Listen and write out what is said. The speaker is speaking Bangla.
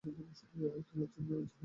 তোমরা জানো, ভায়া।